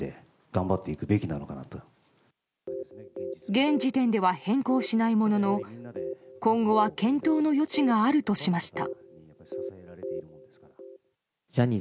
現時点では変更しないものの今後は検討の余地があるとしました。